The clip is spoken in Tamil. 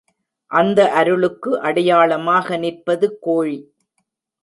அந்த அருளுக்கு அடையாளமாக நிற்பது கோழி.